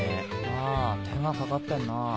ああ手がかかってんなぁ。